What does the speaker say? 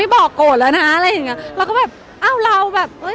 บอกโกรธแล้วนะอะไรอย่างเงี้ยเราก็แบบอ้าวเราแบบเอ้ย